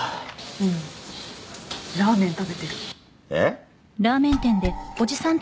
うんラーメン食べてるえっ？